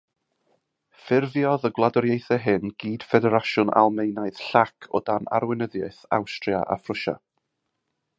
Ffurfiodd y gwladwriaethau hyn Gydffederasiwn Almaenaidd llac o dan arweinyddiaeth Awstria a Phrwsia.